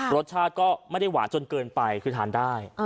รสชาติก็ไม่ได้หวานจนเกินไปคือทานได้